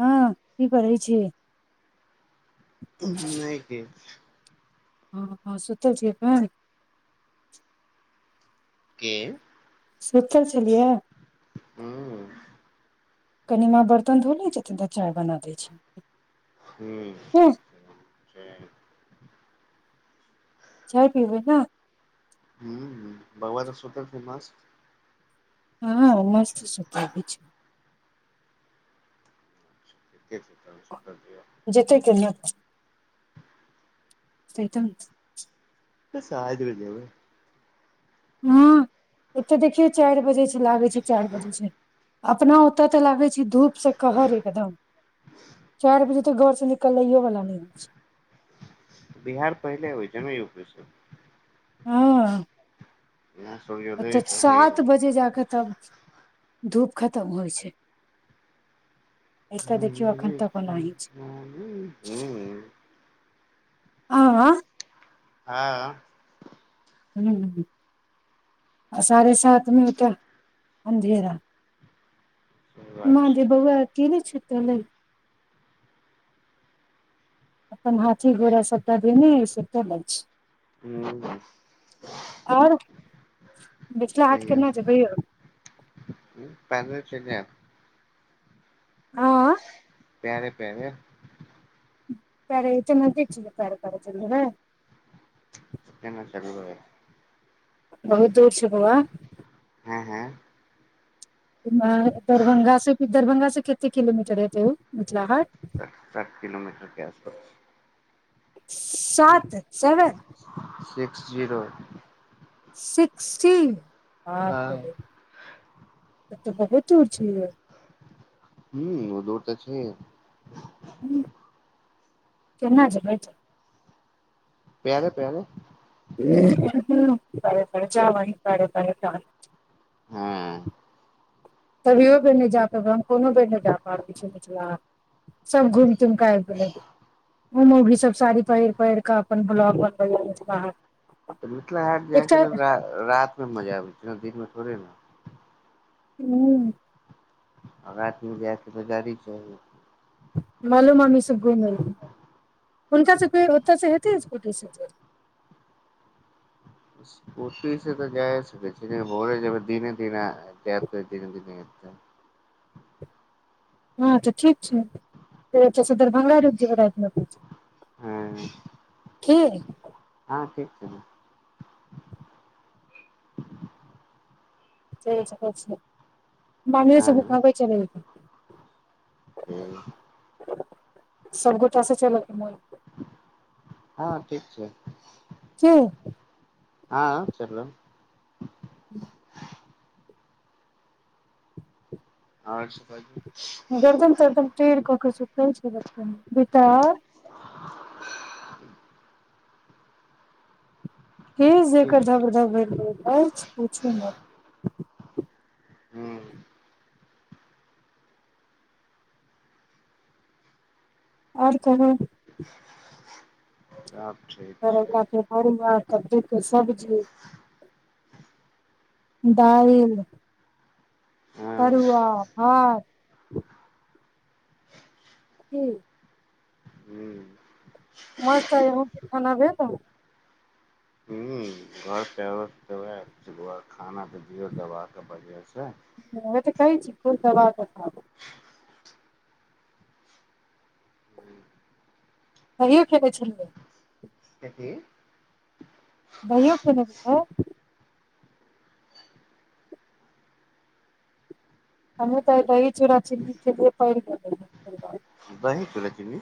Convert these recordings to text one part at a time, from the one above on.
हँ की करै छियै नहि किछु हँ हँ सुतल छियै एखैन के सुतल छलियै या हूँ कनि माँ बर्तन धो लैत छथिन तऽ चाय बना दै छी हूँ ह ठीक छै चाय पीबै न हूँ बौआ तऽ सुतल छै मस्त हँ उ मस्त सुताबै छै के सुतल सूतऽ दियऽ जते [unintelligible] बस आइ भरि जेबै हँ एत्तऽ देखियौ चारि बजे लागै छै चारि बजे छै अपना ओतऽ तऽ लागै छै धूप सँ कहर एकदम चारि बजे तऽ घरसँ निकलैयो वला नहि होइ छै बिहार पहिले होइ छै न यूपी सँ हँ एत्त सूर्योदय तऽ पहिले सात होइ बजे जाकऽ तब धूप खतम होइ छै ए तऽ देखियौ एखन हूँ तक ओनाहीं छै आँय हँ हूँ आ साढ़े साथमे ओतऽ अन्धेरा सही बात माँ गे छै बौआ अकेले सुतल हइ अपन हाथी घोड़ा सबटा धेने सुतल अछि हूँ आओर मिथिला हाट कहियौ केना जेबै यौ पैदले चलि जैब हँ पैरे पैरे पैरे चलय दैत छियै जे पैरे पैरे चलि जेबै केना चलबै बहुत दूर छै बौआ हँ हँ दरभंगा से दरभंगा से कते किलोमीटर हेतै ओ मिथिला हाट साठ किलोमीटर के आसपास सात सेवन सिक्स जीरो। सिक्टी। बाप हँ रे तब त बहुत दूर छिय हू दूर तऽ छैय। हम्म केना जबै छ। प्यारे प्यारे है बड़े खर्चा बहीन कररे तरे च ह्म्म तभियो बेर नहि जा पाबबैन कोनो बेर नहि जा पाबबै छी पछल सब घूम तुम के आय गलई। ओ मौ भी सब साड़ी पहिर पहिर के अपन ब्लॉक बनबेल बाहर। तऽ मिथिला हाट एकटा जायके लेल रात मे मजा आबै छै दिनमे थोड़े न। ह्म आगर दूर जाइत हे त गाड़ी छै। मालु मामी स सब घुमई। हुनका सभ के ओतय सँ हेतै स्कूटी से ते। स्कूटी से तऽ जाय सकै छै भोरे जईबे दिने दीना कैब कर दिन दिन नि अच्छा। हँ तऽ ठीक छै फिर छै से दरभंगा रुगजब रात में अपन। हँ केए हँ ठीक छै न। चीक छै। ममियों हँ सब के कहबई चले ले। ठीक सब गोछ स चलल मोन हँ ठीक छै। की हँ चलब। ह्म और सब गर्दन तरदन तेढ़ क के सु ते छै लगता है, बेटा के जेकर ठीक उद्भब उद्भब अर्छ पूछू मत। ह्म ओर कहब सब ठीक करा छै के के माच [unintelligible] सब्जी दाईल हँ तरुआ भात। ह। ह्म। मस्त आय आहुके खाना भेल ऐ। ह घर त खाना त दियौ दबा के वजह से। तऽ कै छी कोन दब त खब। हू कहियो खेने छलियै। कथि। दहियो खेने छलिए। हममे तऽ दही चूड़ा चिन्नी खेलिए पइन। [unintelligible] दही चुरा चिन्नी।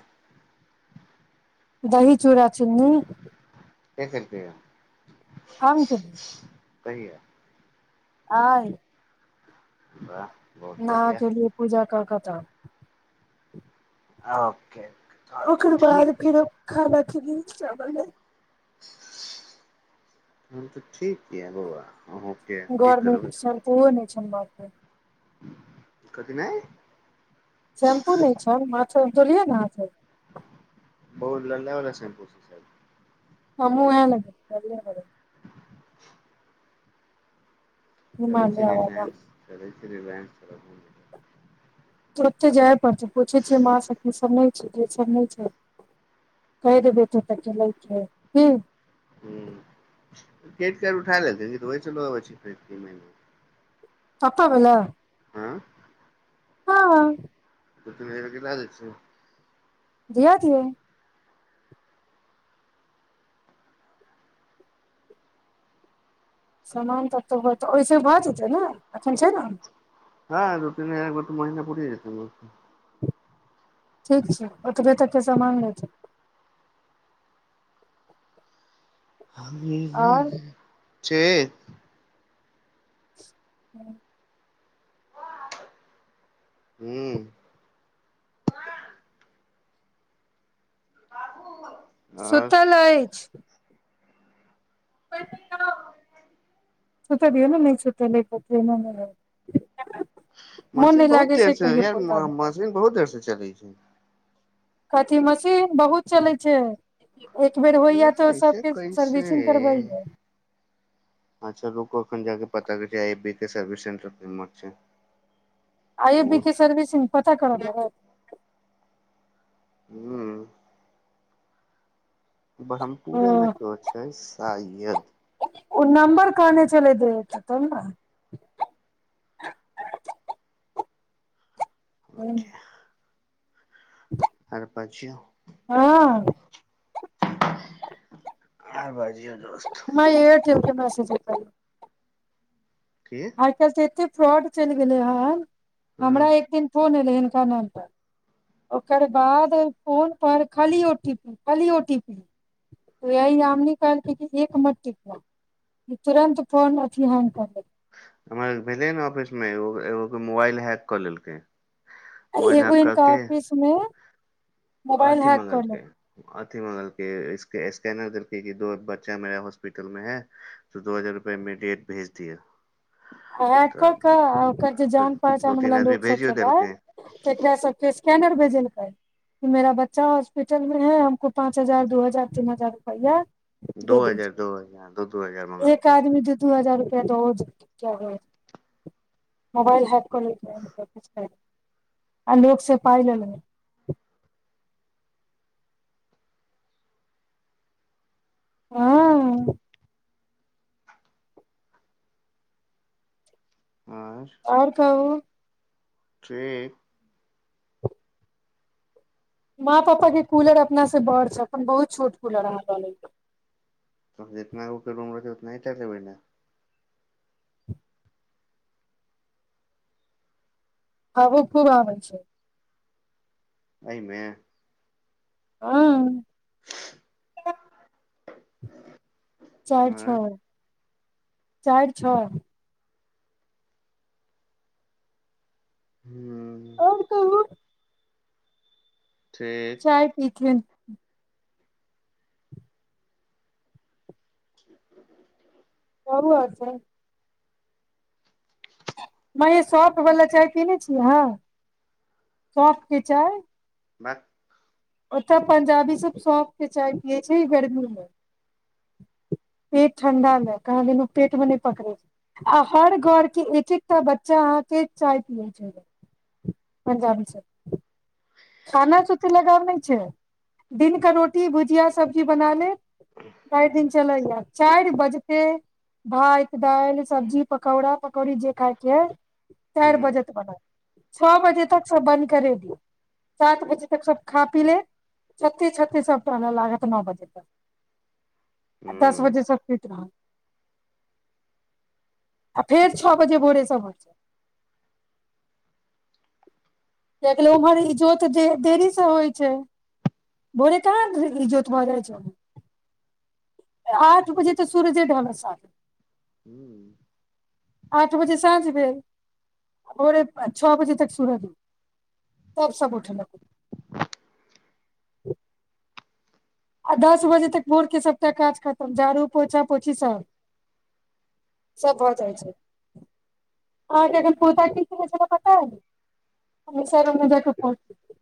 दही चूरा चन्नी। के खेलके य। आन। [unintelligible] कहिया। आय। बाह। नह जे लिये पूजा क क। [unintelligible] आ ओकर बाद फेरो खाना कढ़ी चावल है। तहन तऽ ठीक ये बउआ। घर में सत्तूओ नै। अचछन। [inaudible] कथिी में। तोलिए [unintelligible] छो। ऊ लालहा वला शैम्पू छै शायद। हमहु ओहै में। [unintelligible] चलै छी हिमालया वाला [unintelligible] चलै छी। [unintelligible] तुरते जैब। तहन स पूछै छिय माँ स। ई सब नहि छै ई सब नहि छै कहि देबे तू त लै के है की। ह के कर उठाय ल। [unintelligible] पप्पा वला। आँ। हँ। [unintelligible] धियादियै। सामान ततऽ तोहर होतै ओहिसँे भऽ जेतै ने एखन छै ने। हँ दू। [unintelligible] ठीक छै ओतबे तक के सामान ले छैै। ही ह आओर चे ह्म ह्म। बाबू। सुतल अछि। सुत दियऔ न नै छै। [unintelligible] मशीन बहुत देर से यार पोता भेला मशीन बहुत देर से चलै ज कथी मशीन बहुत चलैत छै। एक बेर होइया यार तऽ ऐसे सबके कैसे सर्विसिंग करबैये। अच्छा रु क अक्खन। [unintelligible] आइ ए बी के सर्विसिंग पता करअ परत। ह्म। ओ ब्रह्मपुरेमे क्यों छै सायद। ओ नम्बर कहाने चले देते त न। ह्म। आर पाछीयो। हँ आर बाज। माय एयरटेल के मैसे। [unintelligible] की [unintelligible] फ्रॉड चैल गेले यार। ह हमरा एकदिन। फोन एले। [unintelligible] ओकर बाद फोन पर खाली ओटी पी खाली ओ टी पी त यही यामनी कहलकै एक मत टीपीह त तुरंत फोन अथिी हैंग कर लेतो। हमर भेलै ने ऑफिस मे एो एगो के मोबाइल हैक कऽ लेलकै। मोबाइल एगो हैक कऽ हीनका के ऑफिस में। मोबाल हैक क लेलके। अथि मंगलके स्कैनर देलकै की दो बच्चा मेरा हॉस्पिटल में है तो दो हजार रुपआ ईमेीडियट भेज दिया। आ क कऽहल्कों त ओकर जे फेर जान दू पहचान तीन वाला आदमी लोक सब भेजियो देलकै छललै तकरा सबके स। क्या करबे जन कर की मेरा बच्चा हॉस्पिटल मे है हमको पाँच हजार दू हजार तीन हजार रुपैआ दो दे हजार दीजिए दो हजार दू दू हजार मंगल के के तो मोबाइल हैक अनलॉोक से आऊ लोग से पाइ ले लवे। माँ आर कहु। ठीक। माँ पापा के कूलर अपना सँ बड़ छै अपन बहुत छोट कूलर अहाँ लऽ लै। त जितना ओ के रूम रहत उतना ह चल देेबै न। हवो खूब आै छै। सही मे। हाअ चार छ। आर चार छओ। हूँ ओर कह ठीक चाय पीथेन। ह [unintelligible] करूअ छै। मय शॉपवला चाय पीने छीियै अह। सॉफ के चाय बैक ओतय पं्जाबी सभ सौफ के चाय पियै छै गर्मी मे। पेट ठण्डा लए कहलल पेट मे नहि पकड़ै छै, आ हर घर के एक एकटा बच्चा अहाँ के चाय पियै छल। पञजाबी छै। खाना सुती लगाव नहि छै दिन क रो रोटी भुजिया सब्जी बना ले चार दिन चलैय, चार बजते भात, दाल, सब्जी, पकौड़ा करी जे खायके। हूँ चार बजे त बना, छओ बजे तक सब बन्द करे दि। सात बजे तक सभ खा पी लेत जतेक छतेक सभ टलय लागत नओ बजे तक। आ दस हूँ बजे सब पिट रहन। आ फिर छओ बजे बोरे समरच क गेलै ओम्हर इजोत जे देरी सँ होइ छै, भोरे कहाँ इजोत भऽ जाइ छै। आठ बजे तऽ सूरज ढलत सात ह्म्म आठ बजे साँझ भेल, आ भोरे छओ बजे तक सुरति तब सब उठलथी। आ दस बजे तक भोरके सभटा काज खतम, झाड़ू, पोछा पोछी सब, सब भऽ जाइ छै, अहाँके एखन पोता कीता। [unintelligible]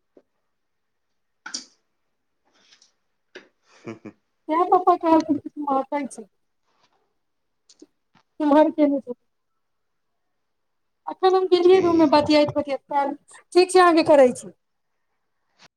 हु हु क्या पप्पा कह आ क छ। तहर के [unintelligible] एखन हम गेलियै रूममे ठीक बतियात बतियात पैर ठीक छै अहाँके करै छी